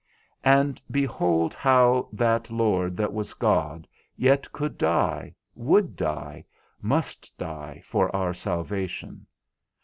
And behold how that Lord that was God, yet could die, would die, must die for our salvation.